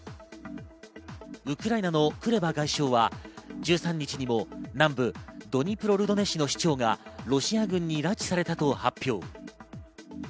ウクライナのクレバ外相は１３日にも南部ドニプロルドネ市の市長がロシア軍に拉致されたと発表。